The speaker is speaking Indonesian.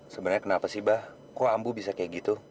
sebenarnya kenapa sih bah kok ambu bisa kayak gitu